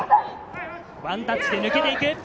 ワンタッチで抜けていく。